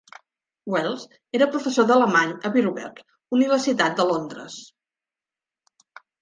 Wells era professor d'alemany a Birkbeck, Universitat de Londres.